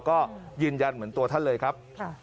ก็ยืนยันเหมือนตัวท่านเลยครับ